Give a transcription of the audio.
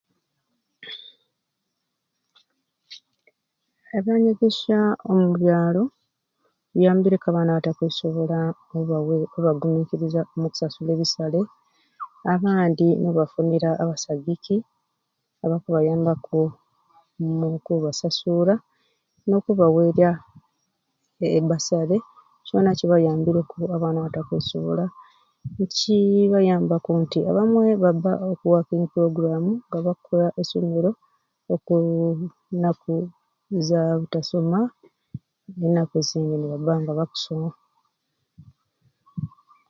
Ebyanyegesya omubyalo biyambireku abaana abatakwesobola obawe obagumiikiriza mukusasula ebisale n'abandi n'obafunira abasagi abakubayambaku mu kubasasuura n'okubawerya e bbasale kyona kibayambireku abaana abato abatakwesobola nekibayambaku nti abamwe babba oku wakingi pulogulamu nga bakukola essomero okuu nnaku ezabutasoma ennaku ezindi nibabba nga bakusoma.